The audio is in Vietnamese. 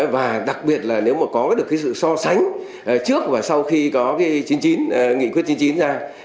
và đặc biệt là nếu mà có được sự so sánh trước và sau khi có nghị quyết chín mươi chín ra